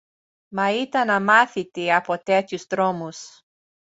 Μα ήταν αμάθητη από τέτοιους δρόμους.